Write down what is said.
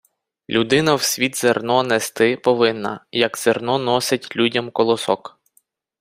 Людина в світ зерно нести повинна, як зерно носить людям колосок